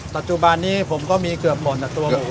ปัจจุบันนี้ผมก็มีเกือบหมดตัวผม